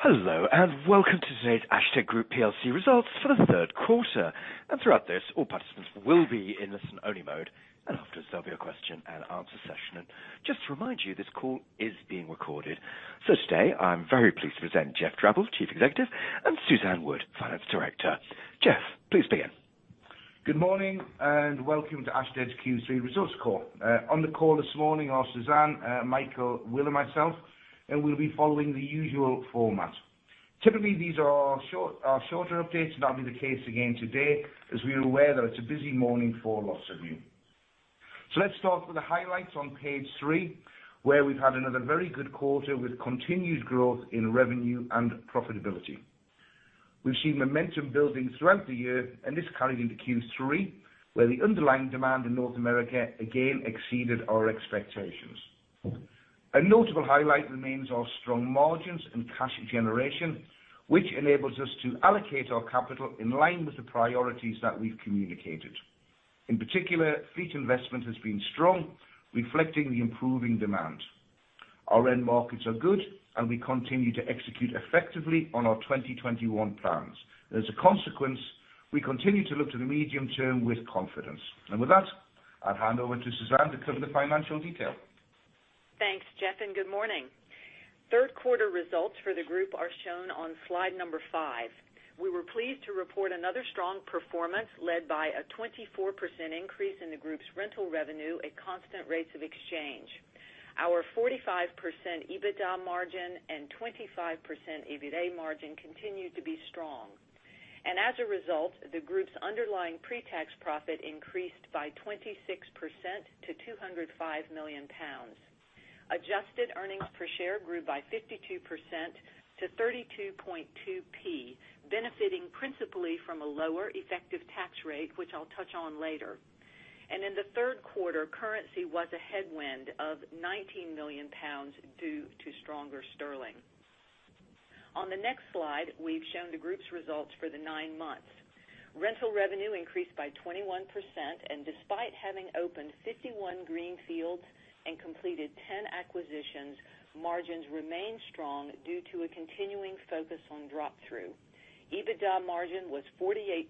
Hello, welcome to today's Ashtead Group PLC results for the third quarter. Throughout this, all participants will be in listen only mode, and afterwards there will be a question and answer session. Just to remind you, this call is being recorded. Today I am very pleased to present Geoff Drabble, Chief Executive, and Suzanne Wood, Finance Director. Geoff, please begin. Good morning and welcome to Ashtead's Q3 results call. On the call this morning are Suzanne, Michael, Will, and myself. We will be following the usual format. Typically, these are shorter updates. That will be the case again today, as we are aware that it is a busy morning for lots of you. Let us start with the highlights on page three, where we have had another very good quarter with continued growth in revenue and profitability. We have seen momentum building throughout the year. This carried into Q3, where the underlying demand in North America again exceeded our expectations. A notable highlight remains our strong margins and cash generation, which enables us to allocate our capital in line with the priorities that we have communicated. In particular, fleet investment has been strong, reflecting the improving demand. Our end markets are good. We continue to execute effectively on our 2021 plans. As a consequence, we continue to look to the medium term with confidence. With that, I will hand over to Suzanne to cover the financial detail. Thanks, Geoff, good morning. Third quarter results for the group are shown on slide number five. We were pleased to report another strong performance led by a 24% increase in the group's rental revenue at constant rates of exchange. Our 45% EBITDA margin and 25% EBITA margin continued to be strong. As a result, the group's underlying pre-tax profit increased by 26% to 205 million pounds. Adjusted earnings per share grew by 52% to 32.2p, benefiting principally from a lower effective tax rate, which I will touch on later. In the third quarter, currency was a headwind of 19 million pounds due to stronger sterling. On the next slide, we have shown the group's results for the nine months. Rental revenue increased by 21%. Despite having opened 51 greenfields and completed 10 acquisitions, margins remained strong due to a continuing focus on drop-through. EBITDA margin was 48%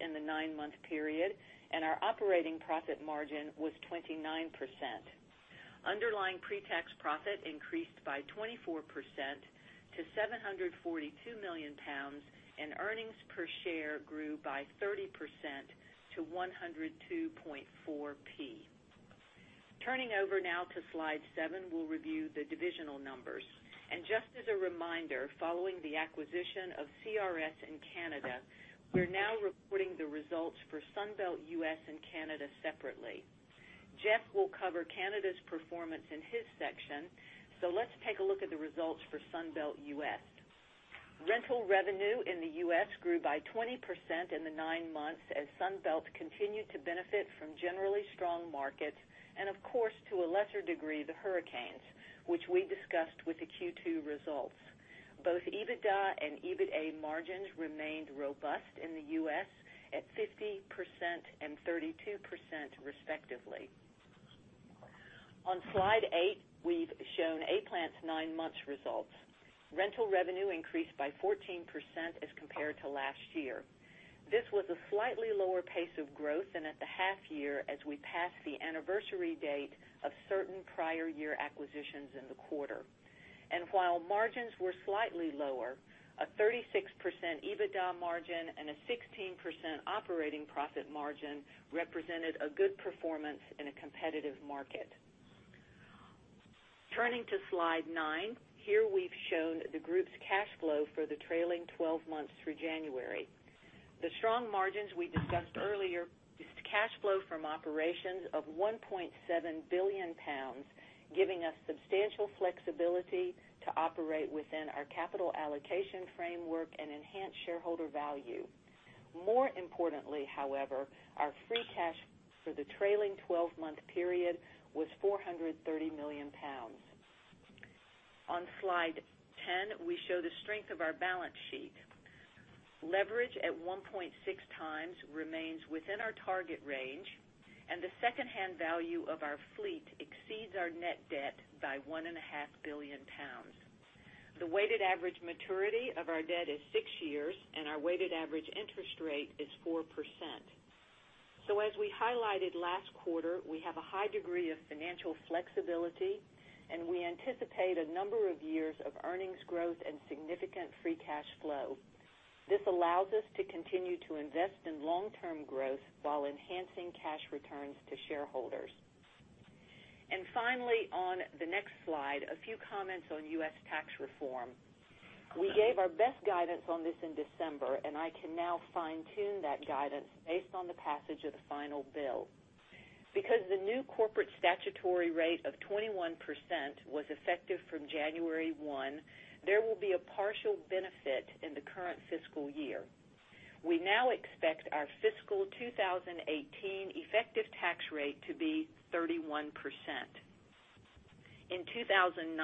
in the nine-month period, and our operating profit margin was 29%. Underlying pre-tax profit increased by 24% to 742 million pounds, and earnings per share grew by 30% to 102.4p. Turning over now to slide seven, we'll review the divisional numbers. Just as a reminder, following the acquisition of CRS in Canada, we're now reporting the results for Sunbelt US and Canada separately. Geoff will cover Canada's performance in his section. Let's take a look at the results for Sunbelt US. Rental revenue in the U.S. grew by 20% in the nine months as Sunbelt continued to benefit from generally strong markets, and of course, to a lesser degree, the hurricanes, which we discussed with the Q2 results. Both EBITDA and EBITA margins remained robust in the U.S. at 50% and 32% respectively. On slide eight, we've shown A-Plant's nine months results. Rental revenue increased by 14% as compared to last year. This was a slightly lower pace of growth than at the half year as we passed the anniversary date of certain prior year acquisitions in the quarter. While margins were slightly lower, a 36% EBITDA margin and a 16% operating profit margin represented a good performance in a competitive market. Turning to slide nine, here we've shown the group's cash flow for the trailing 12 months through January. The strong margins we discussed earlier, cash flow from operations of 1.7 billion pounds, giving us substantial flexibility to operate within our capital allocation framework and enhance shareholder value. More importantly, however, our free cash for the trailing 12-month period was 430 million pounds. On slide 10, we show the strength of our balance sheet. Leverage at 1.6 times remains within our target range, and the secondhand value of our fleet exceeds our net debt by 1.5 billion pounds. The weighted average maturity of our debt is six years, and our weighted average interest rate is 4%. As we highlighted last quarter, we have a high degree of financial flexibility, and we anticipate a number of years of earnings growth and significant free cash flow. This allows us to continue to invest in long-term growth while enhancing cash returns to shareholders. Finally, on the next slide, a few comments on U.S. tax reform. We gave our best guidance on this in December, and I can now fine-tune that guidance based on the passage of the final bill. Because the new corporate statutory rate of 21% was effective from January 1, there will be a partial benefit in the current fiscal year. We now expect our fiscal 2018 effective tax rate to be 31%. In 2019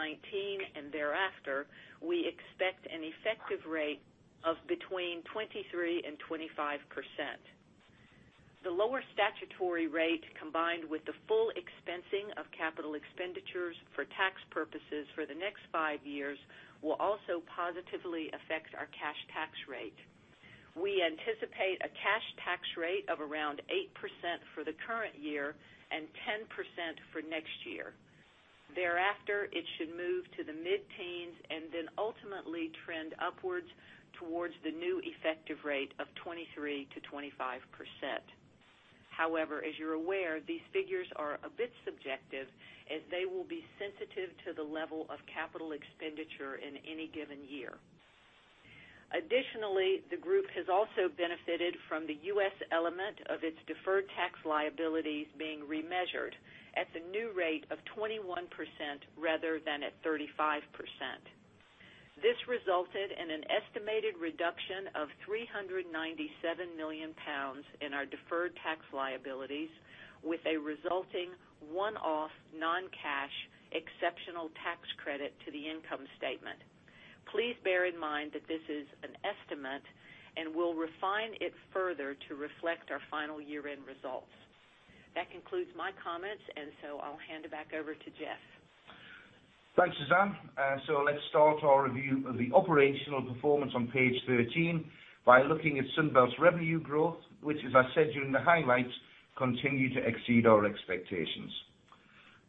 and thereafter, we expect an effective rate of between 23% and 25%. The lower statutory rate, combined with the full expensing of capital expenditures for tax purposes for the next five years, will also positively affect our cash tax rate. We anticipate a cash tax rate of around 8% for the current year and 10% for next year. Thereafter, it should move to the mid-teens and then ultimately trend upwards towards the new effective rate of 23%-25%. However, as you're aware, these figures are a bit subjective, as they will be sensitive to the level of capital expenditure in any given year. Additionally, the group has also benefited from the U.S. element of its deferred tax liabilities being remeasured at the new rate of 21% rather than at 35%. This resulted in an estimated reduction of 397 million pounds in our deferred tax liabilities with a resulting one-off non-cash exceptional tax credit to the income statement. Please bear in mind that this is an estimate, we'll refine it further to reflect our final year-end results. That concludes my comments, I'll hand it back over to Geoff. Thanks, Suzanne. Let's start our review of the operational performance on page 13 by looking at Sunbelt's revenue growth, which, as I said during the highlights, continue to exceed our expectations.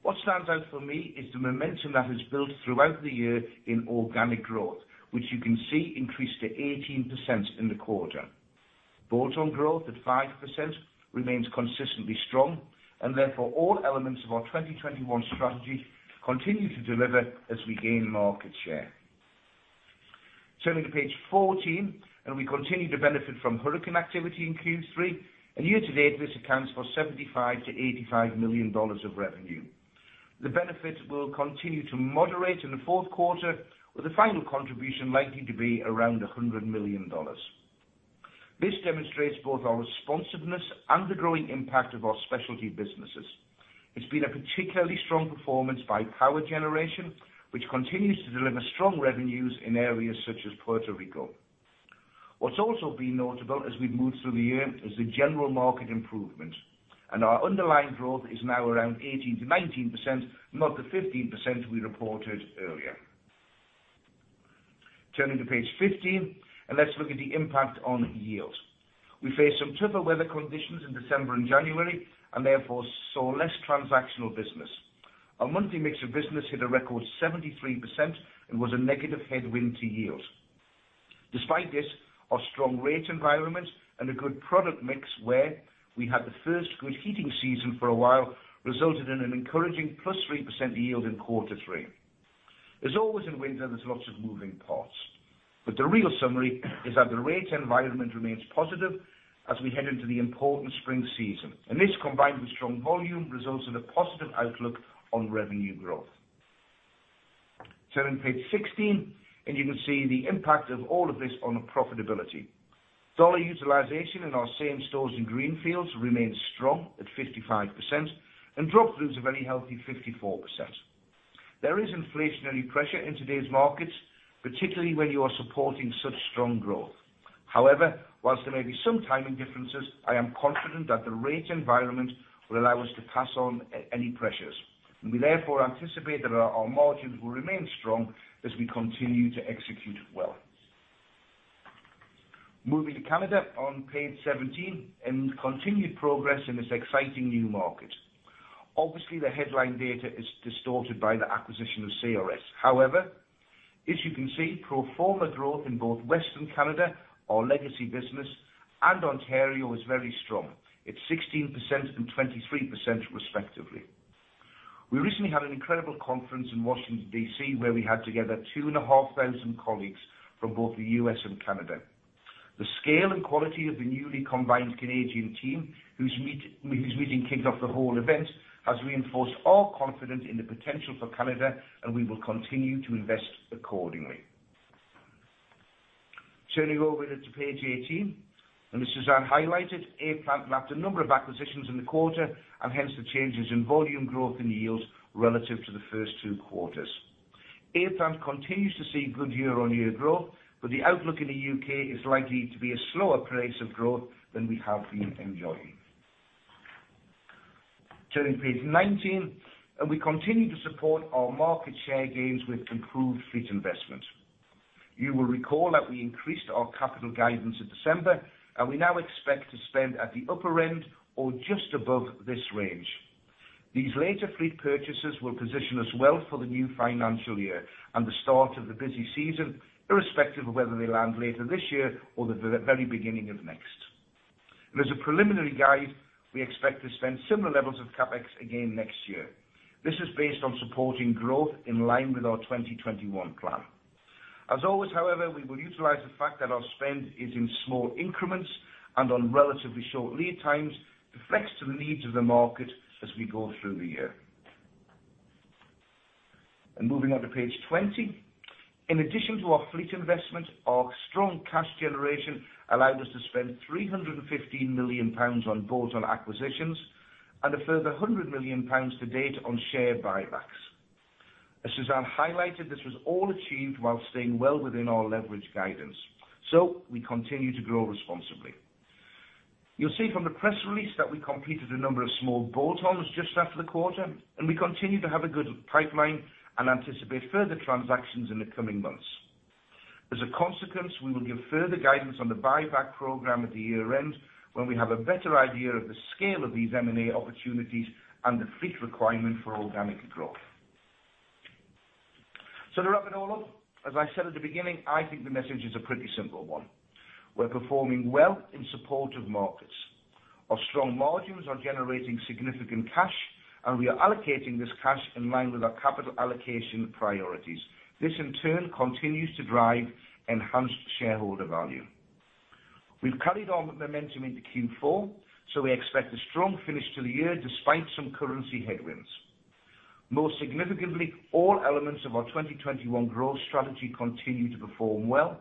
What stands out for me is the momentum that has built throughout the year in organic growth, which you can see increased to 18% in the quarter. Bolt-on growth at 5% remains consistently strong, all elements of our 2021 strategy continue to deliver as we gain market share. Turning to page 14, we continue to benefit from hurricane activity in Q3. Year to date, this accounts for $75 million-$85 million of revenue. The benefits will continue to moderate in the fourth quarter, with the final contribution likely to be around $100 million. This demonstrates both our responsiveness and the growing impact of our specialty businesses. It's been a particularly strong performance by power generation, which continues to deliver strong revenues in areas such as Puerto Rico. What's also been notable as we've moved through the year is the general market improvement, our underlying growth is now around 18%-19%, not the 15% we reported earlier. Turning to page 15, let's look at the impact on yields. We faced some tougher weather conditions in December and January, saw less transactional business. Our monthly mix of business hit a record 73% and was a negative headwind to yields. Despite this, our strong rate environment and a good product mix where we had the first good heating season for a while resulted in an encouraging +3% yield in quarter three. As always in winter, there's lots of moving parts, the real summary is that the rate environment remains positive as we head into the important spring season, this, combined with strong volume, results in a positive outlook on revenue growth. Turning to page 16, you can see the impact of all of this on profitability. Dollar utilization in our same stores and greenfields remains strong at 55%, and drop-throughs a very healthy 54%. There is inflationary pressure in today's markets, particularly when you are supporting such strong growth. However, whilst there may be some timing differences, I am confident that the rate environment will allow us to pass on any pressures, we, therefore, anticipate that our margins will remain strong as we continue to execute well. Moving to Canada on page 17, continued progress in this exciting new market. Obviously, the headline data is distorted by the acquisition of CRS. However, as you can see, pro forma growth in both Western Canada, our legacy business, and Ontario is very strong. It is 16% and 23%, respectively. We recently had an incredible conference in Washington, D.C., where we had together 2,500 colleagues from both the U.S. and Canada. The scale and quality of the newly combined Canadian team, whose meeting kicked off the whole event, has reinforced our confidence in the potential for Canada. We will continue to invest accordingly. Turning over to page 18. As Suzanne highlighted, A-Plant mapped a number of acquisitions in the quarter, and hence, the changes in volume growth and yields relative to the first two quarters. A-Plant continues to see good year-on-year growth. The outlook in the U.K. is likely to be a slower pace of growth than we have been enjoying. Turning to page 19. We continue to support our market share gains with improved fleet investment. You will recall that we increased our capital guidance in December. We now expect to spend at the upper end or just above this range. These later fleet purchases will position us well for the new financial year and the start of the busy season, irrespective of whether they land later this year or the very beginning of next. As a preliminary guide, we expect to spend similar levels of CapEx again next year. This is based on supporting growth in line with our 2021 plan. As always, however, we will utilize the fact that our spend is in small increments and on relatively short lead times to flex to the needs of the market as we go through the year. Moving on to page 20. In addition to our fleet investment, our strong cash generation allowed us to spend 315 million pounds on bolt-on acquisitions and a further 100 million pounds to date on share buybacks. As Suzanne highlighted, this was all achieved while staying well within our leverage guidance. We continue to grow responsibly. You will see from the press release that we completed a number of small bolt-ons just after the quarter. We continue to have a good pipeline and anticipate further transactions in the coming months. As a consequence, we will give further guidance on the buyback program at the year-end, when we have a better idea of the scale of these M&A opportunities and the fleet requirement for organic growth. To wrap it all up, as I said at the beginning, I think the message is a pretty simple one. We are performing well in supportive markets. Our strong margins are generating significant cash. We are allocating this cash in line with our capital allocation priorities. This, in turn, continues to drive enhanced shareholder value. We have carried on the momentum into Q4. We expect a strong finish to the year despite some currency headwinds. Most significantly, all elements of our 2021 growth strategy continue to perform well.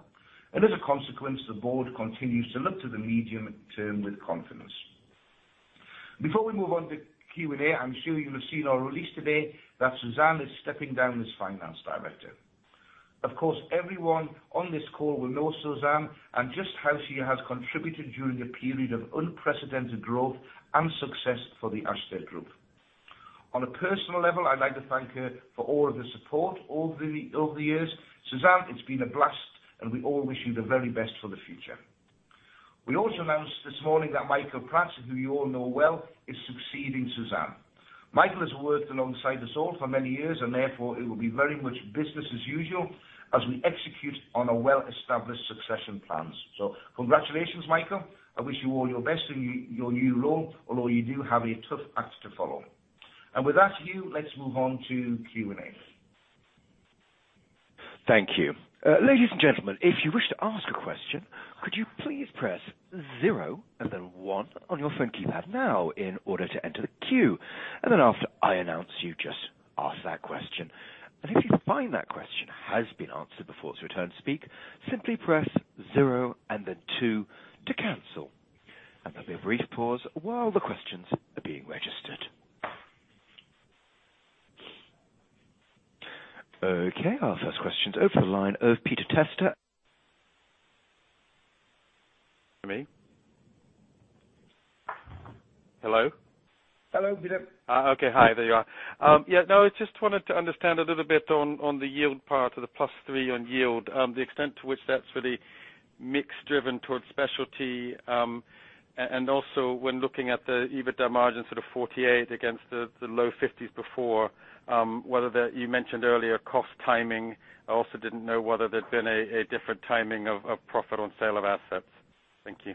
As a consequence, the board continues to look to the medium term with confidence. Before we move on to Q&A, I am sure you will have seen our release today that Suzanne is stepping down as finance director. Of course, everyone on this call will know Suzanne and just how she has contributed during a period of unprecedented growth and success for the Ashtead Group. On a personal level, I would like to thank her for all of the support over the years. Suzanne, it has been a blast, and we all wish you the very best for the future. We also announced this morning that Michael Pratt, who you all know well, is succeeding Suzanne. Michael has worked alongside us all for many years, and therefore it will be very much business as usual as we execute on our well-established succession plans. Congratulations, Michael. I wish you all your best in your new role, although you do have a tough act to follow. With that, Hugh, let us move on to Q&A. Thank you. Ladies and gentlemen, if you wish to ask a question, could you please press zero and then one on your phone keypad now in order to enter the queue. Then after I announce you, just ask that question. If you find that question has been answered before it is your turn to speak, simply press zero and then two to cancel. There will be a brief pause while the questions are being registered. Our first question is over to the line of Peter Testa. Me? Hello? Hello, Peter. I just wanted to understand a little bit on the yield part of the plus 3 on yield, the extent to which that's really mix driven towards specialty. Also, when looking at the EBITDA margin sort of 48 against the low 50s before, whether you mentioned earlier cost timing. I also didn't know whether there'd been a different timing of profit on sale of assets. Thank you.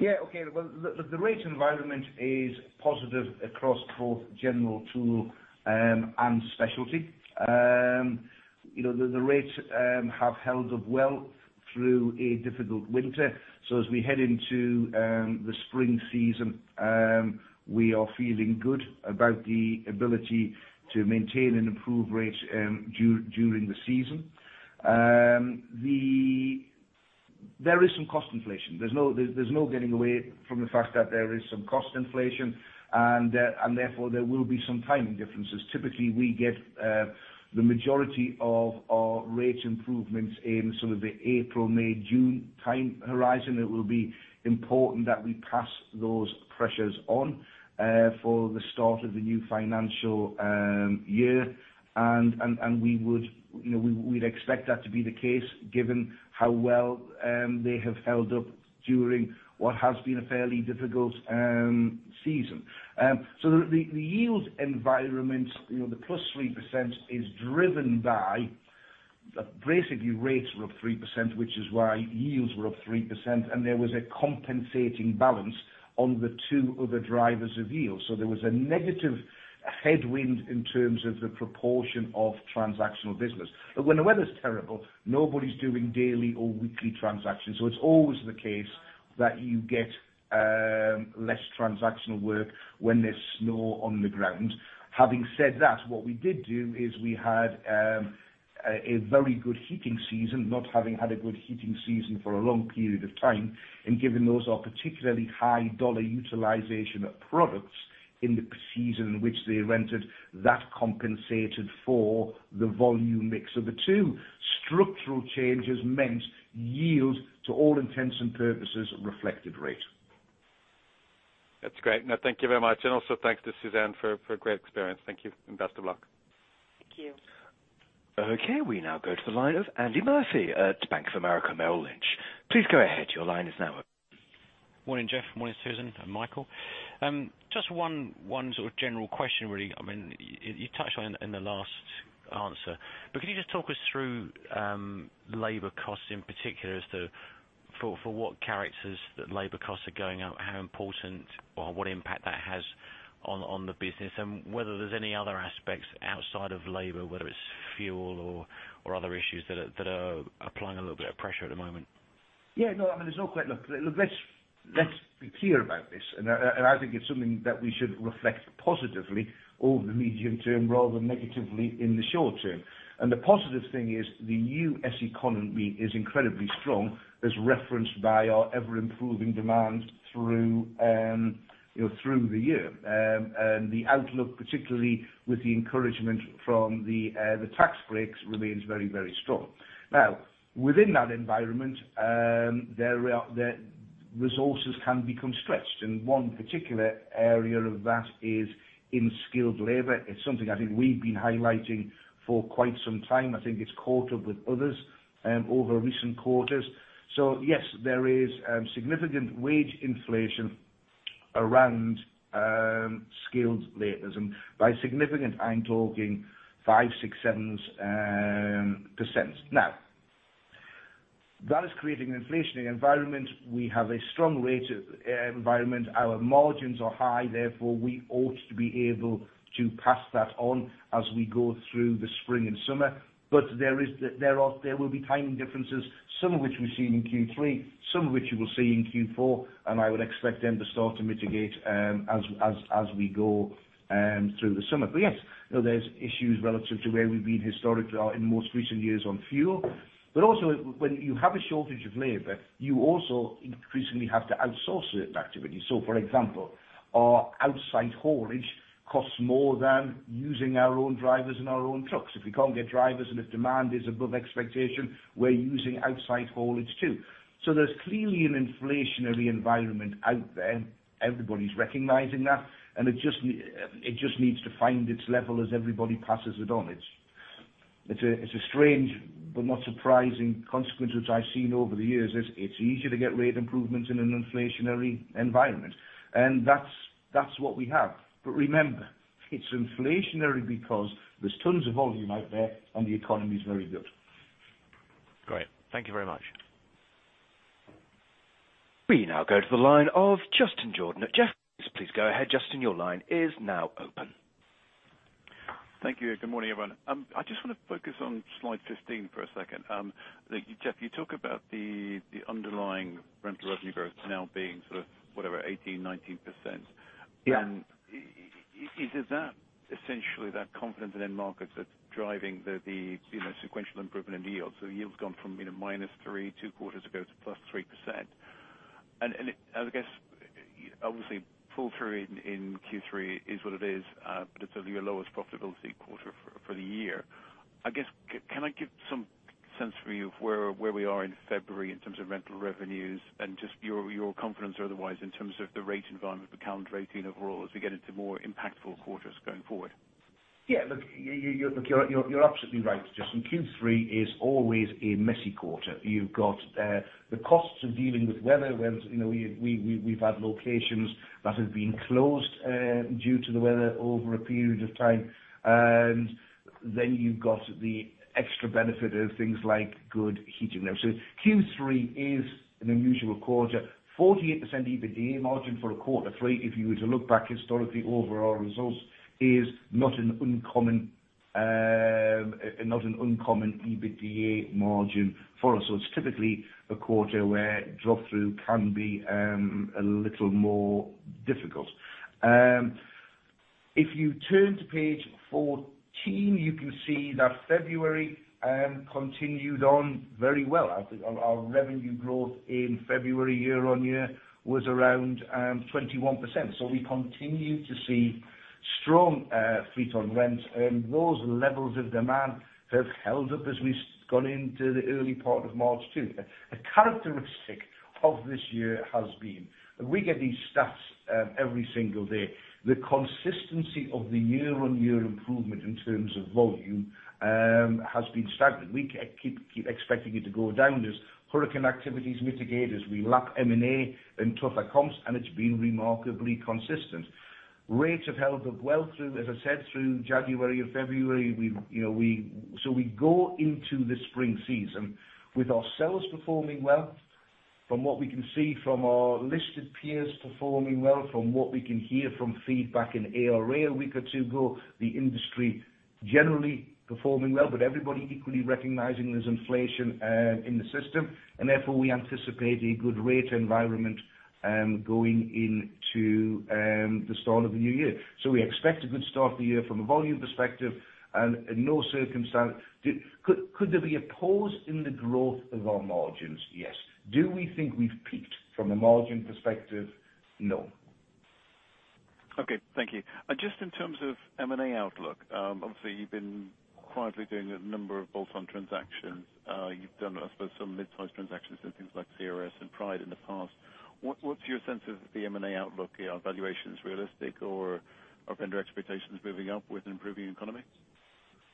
Yeah. Okay. Well, the rate environment is positive across both general tool and specialty. The rates have held up well through a difficult winter. As we head into the spring season, we are feeling good about the ability to maintain and improve rates during the season. There is some cost inflation. There's no getting away from the fact that there is some cost inflation, and therefore, there will be some timing differences. Typically, we get the majority of our rate improvements in sort of the April, May, June time horizon. It will be important that we pass those pressures on for the start of the new financial year. We'd expect that to be the case given how well they have held up during what has been a fairly difficult season. The yield environment, the plus 3% is driven by basically rates were up 3%, which is why yields were up 3%, and there was a compensating balance on the two other drivers of yield. There was a negative headwind in terms of the proportion of transactional business. When the weather's terrible, nobody's doing daily or weekly transactions, so it's always the case that you get less transactional work when there's snow on the ground. Having said that, what we did do is we had a very good heating season, not having had a good heating season for a long period of time. Given those are particularly high dollar utilization products in the season in which they rented, that compensated for the volume mix of the two. Structural changes meant yield, to all intents and purposes, reflected rate. That's great. No, thank you very much. Also, thanks to Suzanne for a great experience. Thank you, and best of luck. Thank you. Okay, we now go to the line of Andy Murphy at Bank of America Merrill Lynch. Please go ahead. Your line is now open. Morning, Geoff. Morning, Suzanne and Michael. Just one sort of general question, really. You touched on it in the last answer. Could you just talk us through labor costs in particular as to for what factors that labor costs are going up, how important or what impact that has on the business, and whether there's any other aspects outside of labor, whether it's fuel or other issues that are applying a little bit of pressure at the moment? No, I mean, there's no question. Look, let's be clear about this. I think it's something that we should reflect positively over the medium term rather than negatively in the short term. The positive thing is the U.S. economy is incredibly strong, as referenced by our ever-improving demand through the year. The outlook, particularly with the encouragement from the tax breaks, remains very, very strong. Within that environment, the resources can become stretched. One particular area of that is in skilled labor. It's something I think we've been highlighting for quite some time. I think it's caught up with others over recent quarters. Yes, there is significant wage inflation around skilled laborers. By significant, I'm talking 5%, 6%, 7%. That is creating an inflationary environment. We have a strong rate environment. Our margins are high. Therefore, we ought to be able to pass that on as we go through the spring and summer. There will be timing differences, some of which we've seen in Q3, some of which you will see in Q4. I would expect them to start to mitigate as we go through the summer. Yes, there's issues relative to where we've been historically or in most recent years on fuel. Also, when you have a shortage of labor, you also increasingly have to outsource certain activities. For example, our outside haulage costs more than using our own drivers and our own trucks. If we can't get drivers and if demand is above expectation, we're using outside haulage too. There's clearly an inflationary environment out there, and everybody's recognizing that. It just needs to find its level as everybody passes it on. It's a strange but not surprising consequence, which I've seen over the years, is it's easier to get rate improvements in an inflationary environment. That's what we have. Remember, it's inflationary because there's tons of volume out there and the economy is very good. Great. Thank you very much. We now go to the line of Justin Jordan at Jefferies. Please go ahead, Justin. Your line is now open. Thank you. Good morning, everyone. I just want to focus on slide 15 for a second. Geoff, you talk about the underlying rental revenue growth now being sort of whatever, 18%-19%. Yeah. Is it that essentially that confidence in end markets that's driving the sequential improvement in yields? Yields gone from -3% two quarters ago to +3%. I guess obviously pull through in Q3 is what it is, but it's your lowest profitability quarter for the year. I guess, can I get some sense from you of where we are in February in terms of rental revenues and just your confidence or otherwise in terms of the rate environment, the calendar rating overall as we get into more impactful quarters going forward? Look, you're absolutely right, Justin. Q3 is always a messy quarter. You've got the costs of dealing with weather when we've had locations that have been closed due to the weather over a period of time. Then you've got the extra benefit of things like good heating. Q3 is an unusual quarter. 48% EBITDA margin for a quarter three, if you were to look back historically over our results, is not an uncommon EBITDA margin for us. It's typically a quarter where drop-through can be a little more difficult. If you turn to page 14, you can see that February continued on very well. I think our revenue growth in February year-on-year was around 21%. We continue to see strong fleet on rent, and those levels of demand have held up as we've gone into the early part of March too. A characteristic of this year has been, and we get these stats every single day, the consistency of the year-on-year improvement in terms of volume has been staggering. We keep expecting it to go down as hurricane activity is mitigators. We lap M&A and tougher comps, and it's been remarkably consistent. Rates have held up well, as I said, through January and February. We go into the spring season with ourselves performing well. From what we can see from our listed peers performing well, from what we can hear from feedback in ARA a week or two ago, the industry generally performing well, everybody equally recognizing there's inflation in the system, therefore we anticipate a good rate environment going into the start of the new year. We expect a good start to the year from a volume perspective. Could there be a pause in the growth of our margins? Yes. Do we think we've peaked from a margin perspective? No. Okay. Thank you. Just in terms of M&A outlook, obviously you've been quietly doing a number of bolt-on transactions. You've done, I suppose, some mid-sized transactions and things like CRS and Pride in the past. What's your sense of the M&A outlook? Are valuations realistic or are vendor expectations moving up with an improving economy?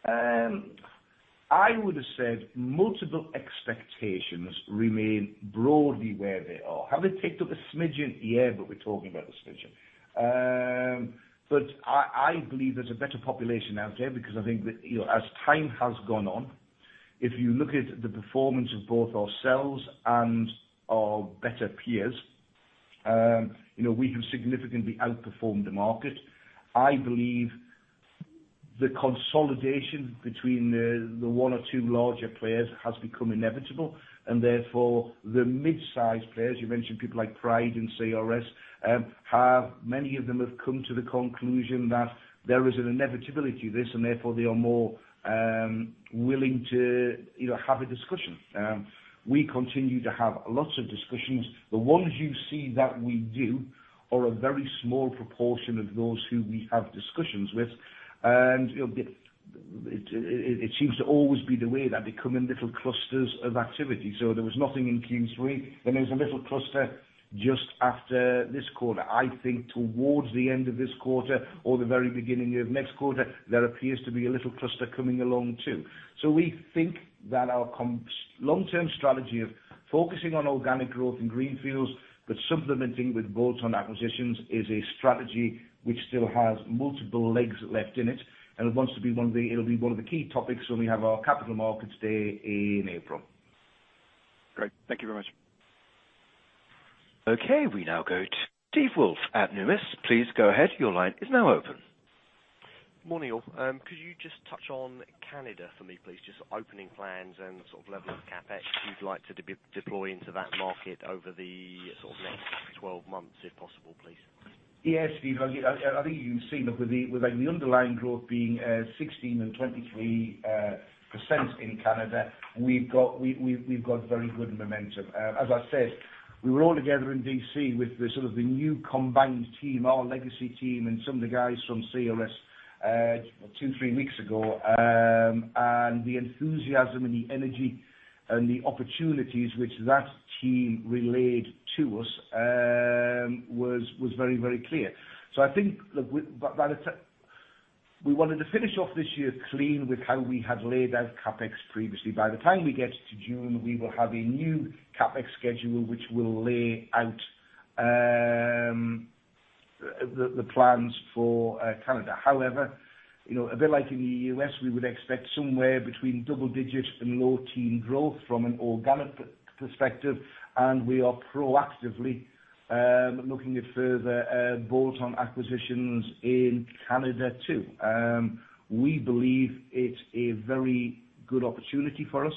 I would have said multiple expectations remain broadly where they are. Have they ticked up a smidgen? Yeah, but we're talking about a smidgen. I believe there's a better population out there because I think that as time has gone on, if you look at the performance of both ourselves and our better peers, we have significantly outperformed the market. The consolidation between the one or two larger players has become inevitable, therefore, the midsize players, you mentioned people like Pride and CRS, many of them have come to the conclusion that there is an inevitability to this, therefore, they are more willing to have a discussion. We continue to have lots of discussions. The ones you see that we do are a very small proportion of those who we have discussions with. It seems to always be the way, that they come in little clusters of activity. There was nothing in Q3, there was a little cluster just after this quarter. I think towards the end of this quarter or the very beginning of next quarter, there appears to be a little cluster coming along, too. We think that our long-term strategy of focusing on organic growth in greenfields, but supplementing with bolt-on acquisitions, is a strategy which still has multiple legs left in it, and it'll be one of the key topics when we have our capital markets day in April. Great. Thank you very much. We now go to Steve Woolf at Numis. Please go ahead. Your line is now open. Morning, all. Could you just touch on Canada for me, please? Just opening plans and level of CapEx you'd like to deploy into that market over the next 12 months, if possible, please. Yes, Steve. I think you can see, look, with the underlying growth being 16% and 23% in Canada, we've got very good momentum. As I said, we were all together in D.C. with the new combined team, our legacy team, and some of the guys from CRS two, three weeks ago. The enthusiasm and the energy and the opportunities which that team relayed to us was very clear. I think, we wanted to finish off this year clean with how we had laid out CapEx previously. By the time we get to June, we will have a new CapEx schedule, which will lay out the plans for Canada. However, a bit like in the U.S., we would expect somewhere between double digits and low teen growth from an organic perspective, and we are proactively looking at further bolt-on acquisitions in Canada, too. We believe it's a very good opportunity for us.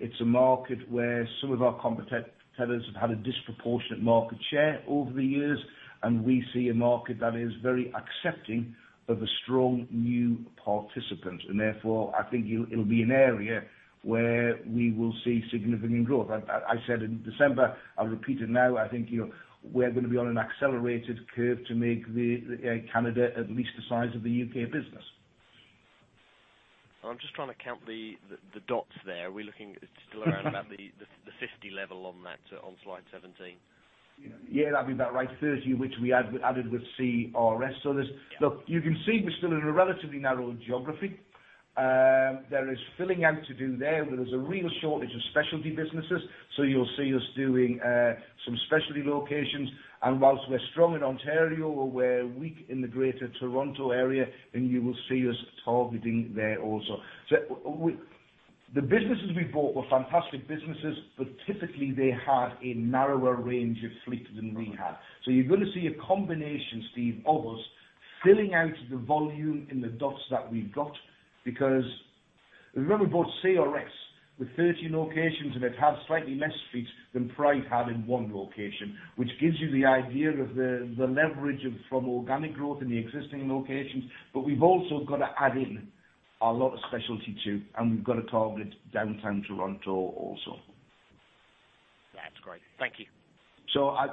It's a market where some of our competitors have had a disproportionate market share over the years, and we see a market that is very accepting of a strong new participant. Therefore, I think it'll be an area where we will see significant growth. I said in December, I'll repeat it now, I think we're going to be on an accelerated curve to make Canada at least the size of the U.K. business. I'm just trying to count the dots there. We're looking still around about the 50 level on slide 17. Yeah, that'd be about right, 30 of which we added with CRS. Look, you can see we're still in a relatively narrow geography. There is filling out to do there, but there's a real shortage of specialty businesses. You'll see us doing some specialty locations. Whilst we're strong in Ontario, we're weak in the greater Toronto area, and you will see us targeting there also. The businesses we bought were fantastic businesses, but typically, they had a narrower range of fleet than we had. You're going to see a combination, Steve, of us filling out the volume in the dots that we've got, because remember we bought CRS with 30 locations, and it had slightly less fleets than Pride had in one location. Which gives you the idea of the leverage from organic growth in the existing locations. We've also got to add in a lot of specialty, too, and we've got to target downtown Toronto also. That's great. Thank you.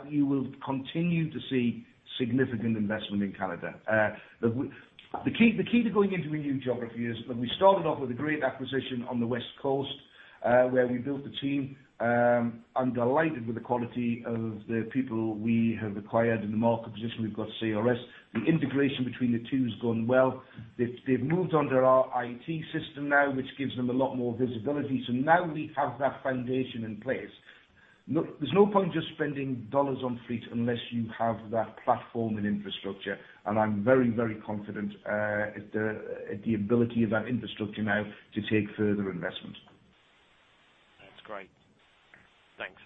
You will continue to see significant investment in Canada. The key to going into a new geography is, look, we started off with a great acquisition on the West Coast, where we built the team. I'm delighted with the quality of the people we have acquired, and the market position we've got CRS. The integration between the two has gone well. They've moved under our IT system now, which gives them a lot more visibility. Now we have that foundation in place. Look, there's no point just spending GBP on fleet unless you have that platform and infrastructure, and I'm very confident at the ability of that infrastructure now to take further investment. That's great. Thanks.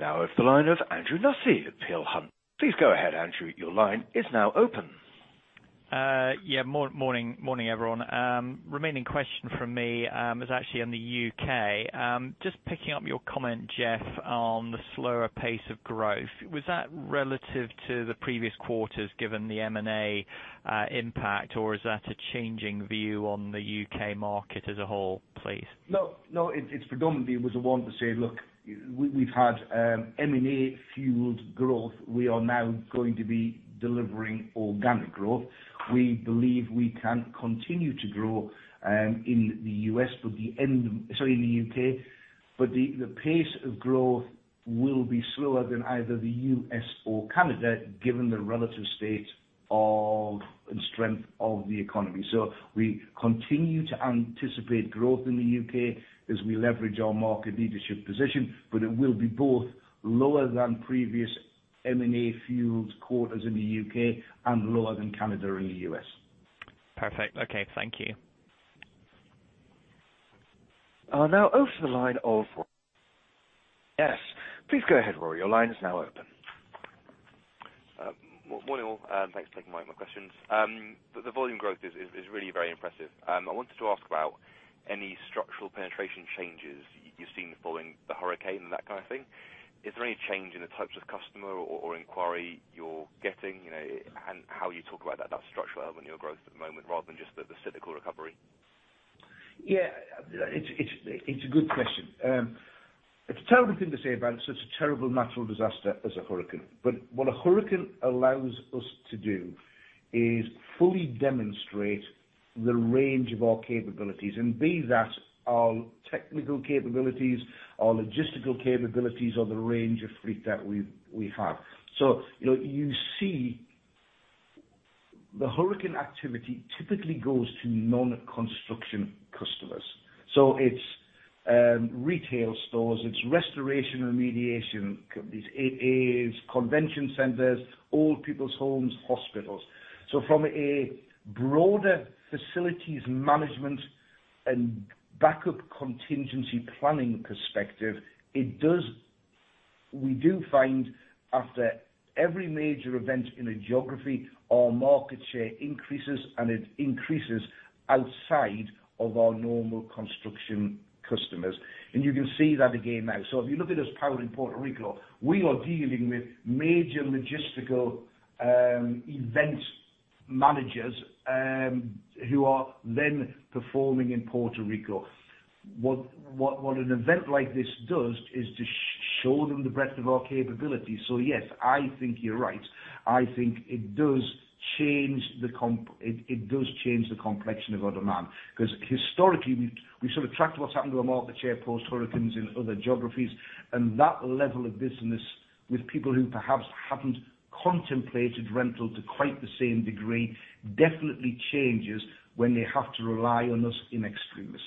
Now with the line of Andrew Nussey at Peel Hunt. Please go ahead, Andrew. Your line is now open. Yeah. Morning, everyone. Remaining question from me is actually on the U.K. Just picking up your comment, Geoff, on the slower pace of growth. Was that relative to the previous quarters given the M&A impact, or is that a changing view on the U.K. market as a whole, please? No, it predominantly was. I want to say, look, we've had M&A-fueled growth. We are now going to be delivering organic growth. We believe we can continue to grow in the U.S., sorry, in the U.K. The pace of growth will be slower than either the U.S. or Canada, given the relative state and strength of the economy. We continue to anticipate growth in the U.K. as we leverage our market leadership position, but it will be both lower than previous M&A-fueled quarters in the U.K. and lower than Canada or the U.S. Perfect. Okay. Thank you. Now over to the line of Rory. Yes. Please go ahead, Rory. Your line is now open. Morning all. Thanks for taking my questions. The volume growth is really very impressive. I wanted to ask about any structural penetration changes you're seeing following the hurricane and that kind of thing. Is there any change in the types of customer or inquiry you're getting, and how you talk about that structural element, your growth at the moment, rather than just the cyclical recovery? Yeah, it's a good question. It's a terrible thing to say about such a terrible natural disaster as a hurricane. What a hurricane allows us to do is fully demonstrate the range of our capabilities, and be that our technical capabilities, our logistical capabilities, or the range of fleet that we have. You see the hurricane activity typically goes to non-construction customers. It's retail stores, it's restoration remediation companies, Associations, convention centers, old people's homes, hospitals. From a broader facilities management and backup contingency planning perspective, we do find after every major event in a geography, our market share increases and it increases outside of our normal construction customers. You can see that again now. If you look at us powering Puerto Rico, we are dealing with major logistical event managers, who are then performing in Puerto Rico. What an event like this does is to show them the breadth of our capabilities. Yes, I think you're right. I think it does change the complexion of our demand, because historically we've sort of tracked what's happened to the market share post hurricanes in other geographies, and that level of business with people who perhaps haven't contemplated rental to quite the same degree, definitely changes when they have to rely on us in extremes.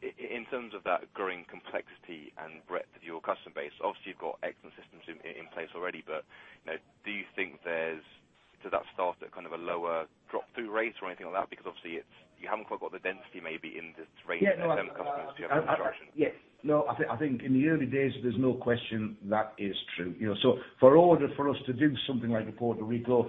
In terms of that growing complexity and breadth of your customer base, obviously you've got excellent systems in place already, do you think there's, to that start, kind of a lower drop-through rate or anything like that? Because obviously you haven't quite got the density maybe in this range of customers. Yeah. To your construction. Yes. No, I think in the early days, there's no question that is true. For order for us to do something like a Puerto Rico,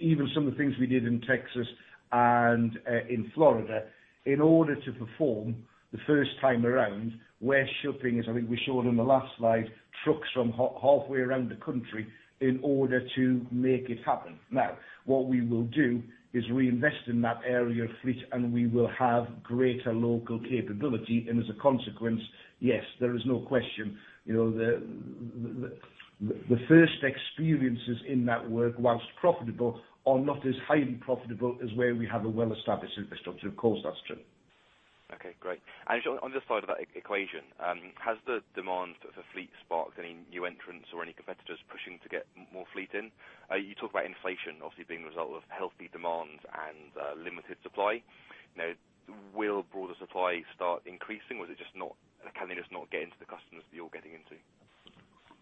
even some of the things we did in Texas and in Florida, in order to perform the first time around, we're shipping, as I think we showed on the last slide, trucks from halfway around the country in order to make it happen. Now, what we will do is reinvest in that area of fleet, and we will have greater local capability, and as a consequence, yes, there is no question, the first experiences in that work, whilst profitable, are not as highly profitable as where we have a well-established infrastructure. Of course, that's true. Okay, great. On this side of that equation, has the demand for fleet sparked any new entrants or any competitors pushing to get more fleet in? You talk about inflation obviously being a result of healthy demand and limited supply. Now, will broader supply start increasing or can they just not get into the customers that you're getting into?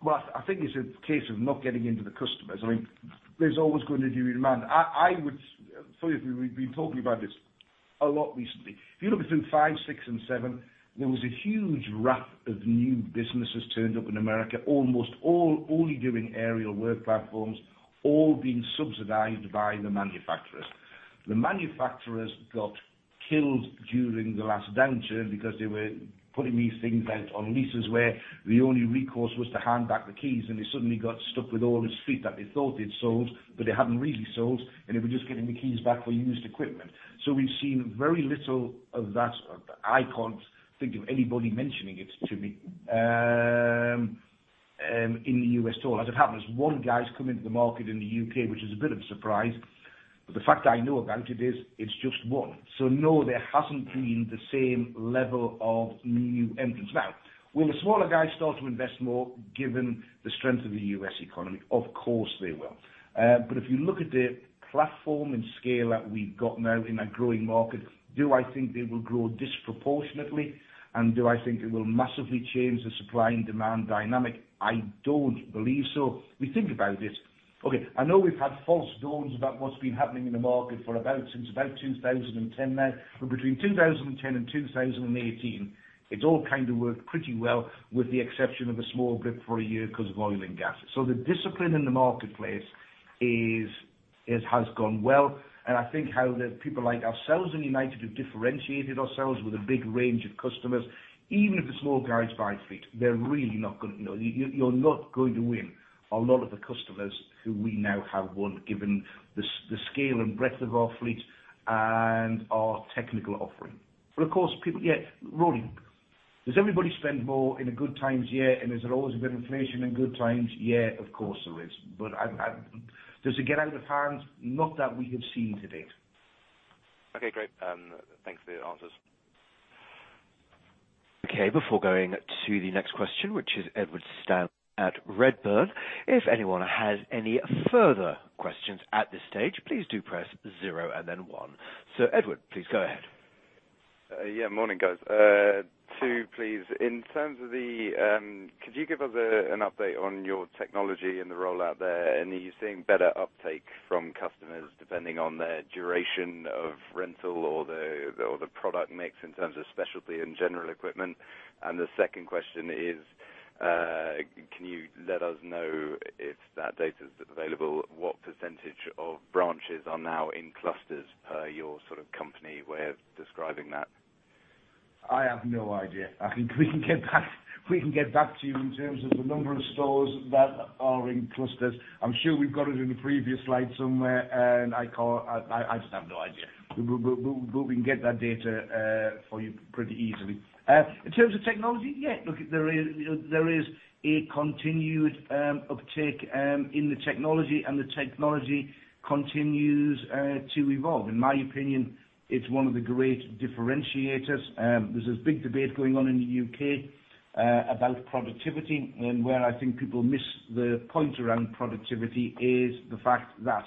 I think it's a case of not getting into the customers. There's always going to be demand. We've been talking about this a lot recently. If you look between five, six, and seven, there was a huge raft of new businesses turned up in America, almost all only doing aerial work platforms, all being subsidized by the manufacturers. The manufacturers got killed during the last downturn because they were putting these things out on leases where the only recourse was to hand back the keys, and they suddenly got stuck with all this fleet that they thought they'd sold, but they hadn't really sold, and they were just getting the keys back for used equipment. We've seen very little of that. I can't think of anybody mentioning it to me, in the U.S. at all. As it happens, one guy's come into the market in the U.K., which is a bit of a surprise, but the fact I know about it is, it's just one. No, there hasn't been the same level of new entrants. Will the smaller guys start to invest more given the strength of the U.S. economy? Of course, they will. If you look at the platform and scale that we've got now in a growing market, do I think they will grow disproportionately? Do I think it will massively change the supply and demand dynamic? I don't believe so. We think about this. I know we've had false dawns about what's been happening in the market since about 2010 now. Between 2010 and 2018, it's all kind of worked pretty well with the exception of a small blip for a year because of oil and gas. The discipline in the marketplace has gone well, and I think how the people like ourselves and United have differentiated ourselves with a big range of customers. Even if the small guys buy fleet, you're not going to win a lot of the customers who we now have won, given the scale and breadth of our fleet and our technical offering. Of course, people Yeah, Rory, does everybody spend more in the good times? Yeah. Has there always been inflation in good times? Yeah, of course there is. Does it get out of hand? Not that we have seen to date. Great. Thanks for your answers. Okay. Before going to the next question, which is Edward Stan at Redburn, if anyone has any further questions at this stage, please do press zero and then one. Edward, please go ahead. Yeah, morning, guys. Two, please. Could you give us an update on your technology and the rollout there? Are you seeing better uptake from customers depending on their duration of rental or the product mix in terms of specialty and general equipment? The second question is, can you let us know, if that data's available, what % of branches are now in clusters per your company way of describing that? I have no idea. We can get back to you in terms of the number of stores that are in clusters. I'm sure we've got it in a previous slide somewhere, I just have no idea. We can get that data for you pretty easily. In terms of technology, yeah, there is a continued uptake in the technology, the technology continues to evolve. In my opinion, it's one of the great differentiators. There's this big debate going on in the U.K. about productivity. Where I think people miss the point around productivity is the fact that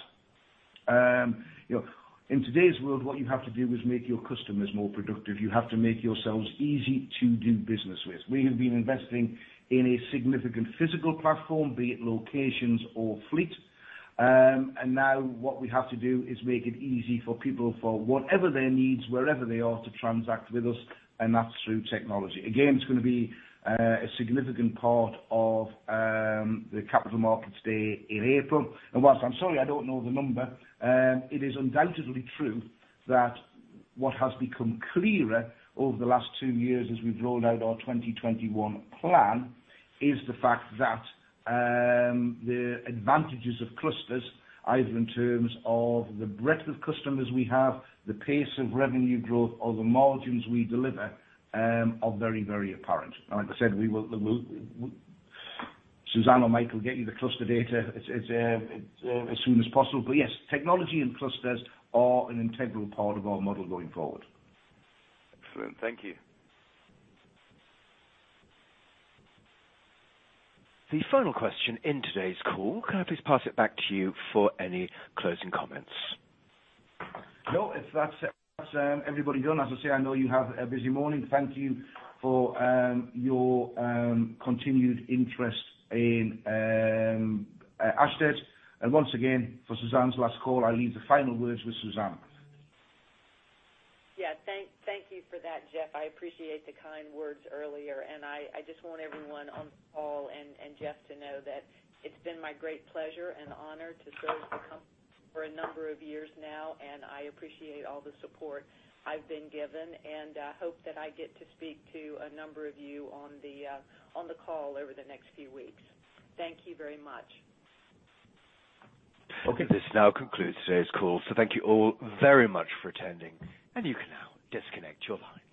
in today's world, what you have to do is make your customers more productive. You have to make yourselves easy to do business with. We have been investing in a significant physical platform, be it locations or fleet. Now what we have to do is make it easy for people, for whatever their needs, wherever they are, to transact with us, that's through technology. Again, it's going to be a significant part of the capital markets day in April. Whilst I'm sorry I don't know the number, it is undoubtedly true that what has become clearer over the last two years as we've rolled out our 2021 plan, is the fact that the advantages of clusters, either in terms of the breadth of customers we have, the pace of revenue growth, or the margins we deliver, are very apparent. Like I said, Suzanne or Mike will get you the cluster data as soon as possible. Yes, technology and clusters are an integral part of our model going forward. Excellent. Thank you. The final question in today's call. Can I please pass it back to you for any closing comments? No. If that's everybody done, as I say, I know you have a busy morning. Thank you for your continued interest in Ashtead. Once again, for Suzanne's last call, I leave the final words with Suzanne. Thank you for that, Jeff. I appreciate the kind words earlier, I just want everyone on the call and Jeff to know that it's been my great pleasure and honor to serve the company for a number of years now, I appreciate all the support I've been given, and I hope that I get to speak to a number of you on the call over the next few weeks. Thank you very much. Okay. This now concludes today's call, so thank you all very much for attending, and you can now disconnect your lines.